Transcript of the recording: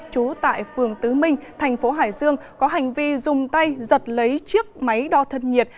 trú tại phường tứ minh thành phố hải dương có hành vi dùng tay giật lấy chiếc máy đo thân nhiệt